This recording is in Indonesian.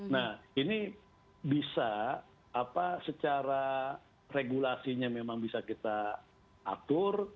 nah ini bisa secara regulasinya memang bisa kita atur